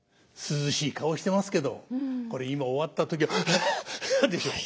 涼しい顔してますけどこれ今終わった時は「はあはあ」でしょ。